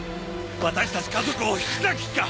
私たち家族を引き裂く気か？